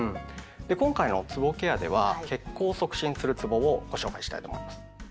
今回のつぼケアでは血行を促進するつぼをご紹介したいと思います。